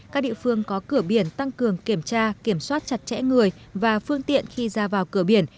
các địa phương có cửa biển tăng cường kiểm tra kiểm soát chặt chẽ người và phương tiện khi ra vào cửa biển